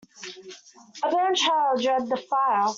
A burnt child dreads the fire.